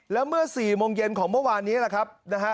แล้วเมื่อ๔โมงเย็นของเมื่อวานนี้แหละครับนะฮะ